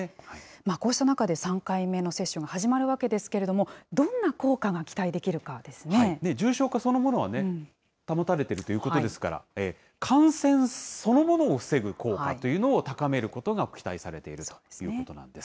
こうした中で、３回目の接種が始まるわけですけれども、どん重症化そのものは保たれているということですから、感染そのものを防ぐ効果というのを高めることが期待されているということなんです。